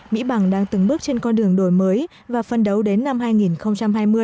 mỹ bằng đang từng bước trên con đường đổi mới và phân đấu đến năm hai nghìn hai mươi